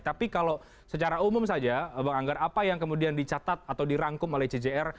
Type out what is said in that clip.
tapi kalau secara umum saja bang anggar apa yang kemudian dicatat atau dirangkum oleh cjr